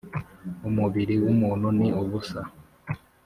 Umubiri w’umuntu ni ubusa,